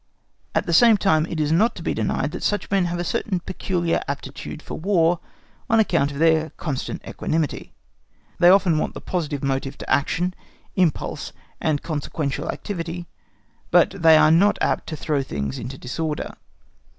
At the same time, it is not to be denied that such men have a certain peculiar aptitude for War, on account of their constant equanimity. They often want the positive motive to action, impulse, and consequently activity, but they are not apt to throw things into disorder.